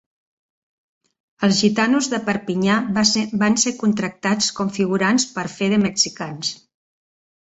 Els gitanos de Perpinyà van ser contractats com figurants per fer de mexicans.